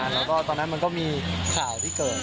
แล้วก็ตอนนั้นมันก็มีข่าวที่เกิด